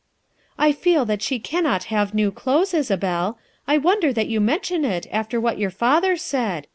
"I feel that she cannot have new clothes, Isabel*, I wonder that you mention it after what your father said.